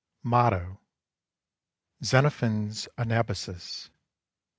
Motto, Xenophon's Anabasis IV.